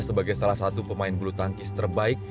sebagai salah satu pemain bulu tangkis terbaik